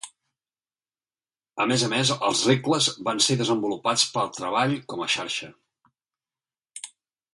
A més a més, els regles van ser desenvolupats per treball com a xarxa.